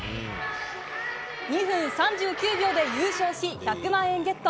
２分３９秒で優勝し、１００万円ゲット。